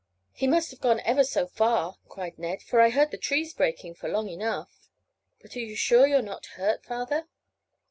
"He must have gone ever so far," cried Ned, "for I heard the trees breaking for long enough. But are you quite sure you're not hurt, father?"